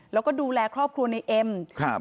แล้วก็ดูแลครอบครัวในเอ็มครับ